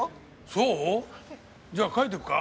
そう？じゃあ描いてくか？